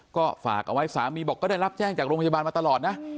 ก็ฝากเอาไว้สามีบอกก็ได้รับแจ้งจากโรงพยาบาลมาตลอดนะ